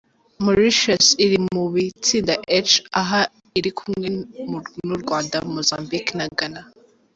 Mauritius iri mu itsinda H aho iri kumwe n’u Rwanda, Mozambique na Ghana.